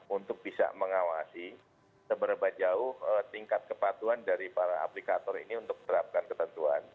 untuk bisa mengawasi seberapa jauh tingkat kepatuhan dari para aplikator ini untuk menerapkan ketentuan